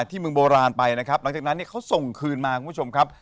ที่เมืองโบราณไปนะครับหลังจากนั้นเนี่ยเขาส่งคืนมาคุณผู้ชมครับ